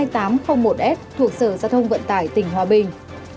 thuộc sở gia thông vận tải tỉnh hòa bình